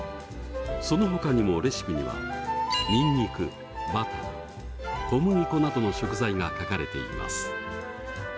そのほかにもレシピにはにんにくバター小麦粉などの食材が書かれています。